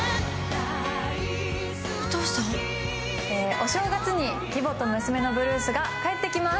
お正月に「義母と娘のブルース」が帰ってきます。